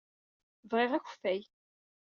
Bɣiɣ akeffay.